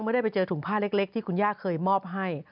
ไม่ได้ไปเจอถุงผ้าเล็กที่คุณย่าเคยมอบให้